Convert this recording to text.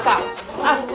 あっ！